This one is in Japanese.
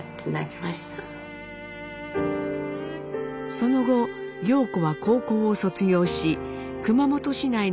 その後様子は高校を卒業し熊本市内の洋装店に就職。